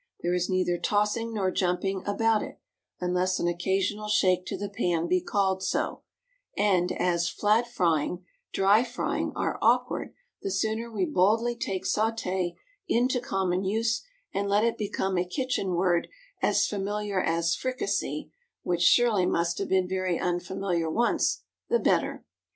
There is neither tossing nor jumping about it, unless an occasional shake to the pan be called so; and as "flat frying," "dry frying," are awkward, the sooner we boldly take sauté into common use, and let it become a kitchen word as familiar as fricassee (which surely must have been very unfamiliar once), the better.